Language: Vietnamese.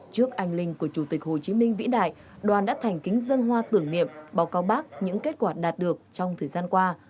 trước anh linh của chủ tịch hồ chí minh vĩ đại đoàn đã thành kính dân hoa tưởng niệm báo cáo bác những kết quả đạt được trong thời gian qua